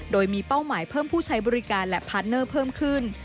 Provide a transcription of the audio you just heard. โดยมีเป้าหมายเพิ่มผู้ใช้บริการและพาร์ทเนอร์เพิ่มขึ้น